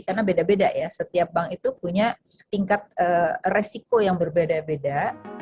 karena beda beda ya setiap bank itu punya tingkat resiko yang berbeda beda